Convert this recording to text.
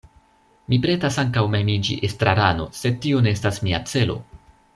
Mi pretas ankaŭ mem iĝi estrarano, sed tio ne estas mia celo.